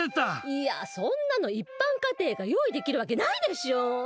いや、そんなの一般家庭が用意できるわけないでしょ！